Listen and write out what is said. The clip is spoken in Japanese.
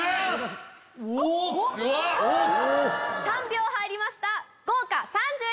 ３票入りました。